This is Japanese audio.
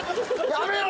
やめろ